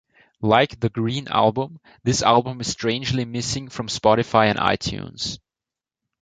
Like the Green Album, this album is strangely missing from Spotify and iTunes.